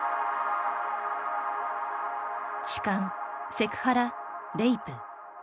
痴漢セクハラレイプ。